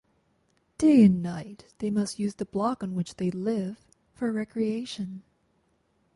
Day and night they must use the block on which they live for recreation.